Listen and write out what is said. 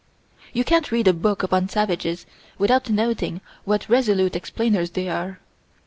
You can't read a book upon savages without noting what resolute explainers they are.